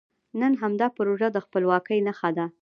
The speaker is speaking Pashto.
نن همدا پروژه د خپلواکۍ نښه ده.